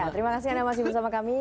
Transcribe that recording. terima kasih anda masih bersama kami